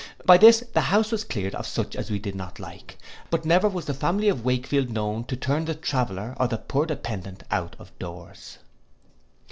By this the house was cleared of such as we did not like; but never was the family of Wakefield known to turn the traveller or the poor dependent out of doors.